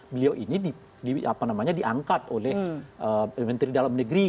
beliau ini diangkat oleh menteri dalam negeri